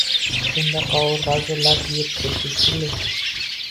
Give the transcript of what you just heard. Shunda qovurg‘asi lat yebdi, shekilli